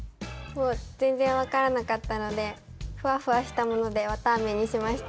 全然分からなかったのでふわふわしたもので綿あめにしました。